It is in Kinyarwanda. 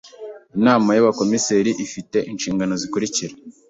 Inama y’Abakomiseri ifi te inshingano zikurikira: